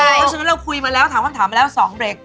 เพราะฉะนั้นเราคุยมาแล้วถามคำถามมาแล้ว๒เบรก